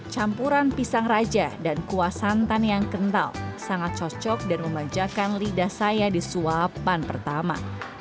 campuran pisang raja dan kuah santan yang kental sangat cocok dan memanjakan lidah saya di suapan pertama